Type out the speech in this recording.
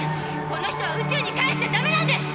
この人は宇宙に返しちゃダメなんです！